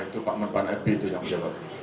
itu pak menteri pan rp itu yang menjawab